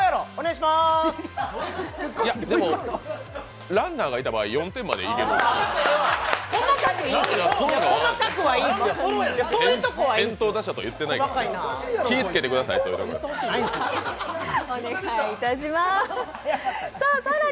いやでも、ランナーがいた場合、４点までいけるから。